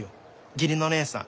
義理の姉さん